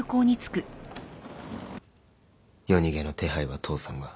夜逃げの手配は父さんが。